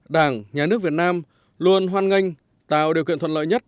đảng nhà nước việt nam luôn hoan nghênh tạo điều kiện thuận lợi nhất